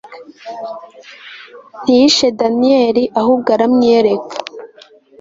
ntiyishe daniyeli ahubwo aramwiyereka